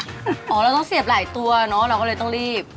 อ๋อเราต้องเสียบหลายตัวเนอะเราก็เลยต้องรีบ